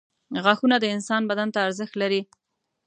• غاښونه د انسان بدن ته ارزښت لري.